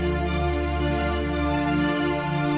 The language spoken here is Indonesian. untuk membayarnya pelan pelan